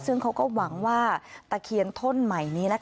ซึ่งเขาก็หวังว่าตะเคียนท่อนใหม่นี้